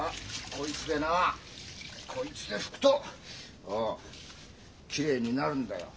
こいつでなこいつで拭くとああきれいになるんだよ。